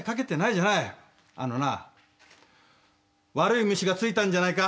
あのな悪い虫が付いたんじゃないか？